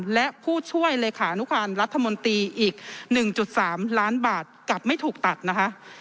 และผู้ช่วยเลขานุการรัฐมนตรีอีก๑๓ล้านบาทกลับไม่ถูกตัดนะคะ